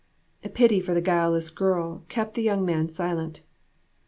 Pity for the guileless girl kept the young man silent.